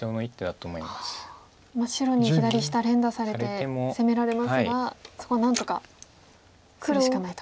白に左下連打されて攻められますがそこは何とかするしかないと。